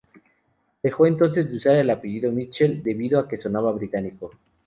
Dejó entonces de usar el apellido "Mitchel", debido a que sonaba británico.